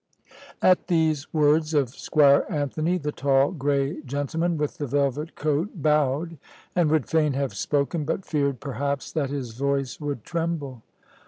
At these words of Squire Anthony, the tall grey gentleman with the velvet coat bowed, and would fain have spoken, but feared perhaps that his voice would tremble.